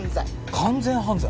完全犯罪？